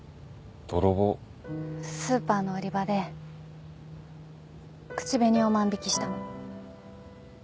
スーパーの売り場で口紅を万引したの。